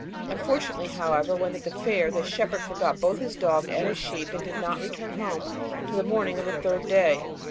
Unfortunately, however, when at the fair, the shepherd forgot both his dog and his sheep, and did not return home till the morning of the third day.